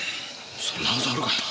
そんなはずあるかよ。